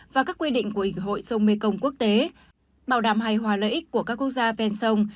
và các quy định của ủy hội sông mekong quốc tế bảo đảm hài hòa lợi ích của các quốc gia ven sông